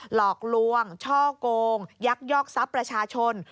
หลอกลวงช่อกงยักยอกทรัพย์ประชาชน